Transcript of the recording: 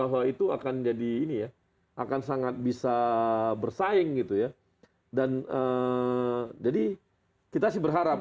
bahwa itu akan jadi ini ya akan sangat bisa bersaing gitu ya dan jadi kita sih berharap